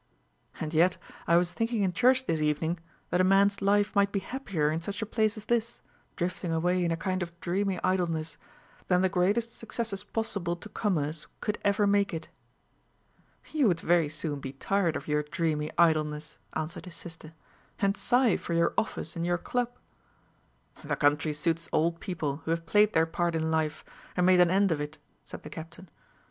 "And yet I was thinking in church this evening, that a man's life might be happier in such a place as this, drifting away in a kind of dreamy idleness, than the greatest successes possible to commerce could ever make it." "You would very soon be tired of your dreamy idleness," answered his sister, "and sigh for your office and your club." "The country suits old people, who have played their part in life, and made an end of it," said the Captain.